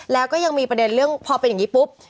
แล้วก็ยังมีประเด็นเรื่องพอเป็นอย่างนี้ปุ๊บ